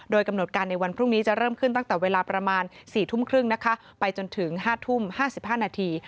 โดยกำหนดการในวันพรุ่งนี้จะเริ่มขึ้นตั้งแต่เวลาประมาณ๔ทุ่มครึ่งนะคะไปจนถึง๕ทุ่ม๕๕นาที